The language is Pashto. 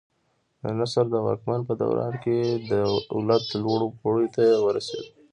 د نصر د واکمنۍ په دوران کې دولت لوړو پوړیو ته ورسېد.